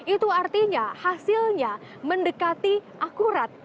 itu artinya hasilnya mendekati akurat